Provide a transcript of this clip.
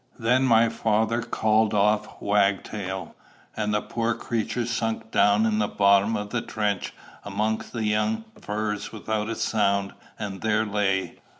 Then my father called off Wagtail; and the poor creature sunk down in the bottom of the trench amongst the young firs without a sound, and there lay.